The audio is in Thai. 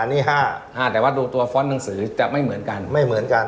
อันนี้๕๕แต่ว่าดูตัวฟ้อนหนังสือจะไม่เหมือนกันไม่เหมือนกัน